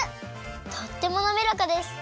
とってもなめらかです！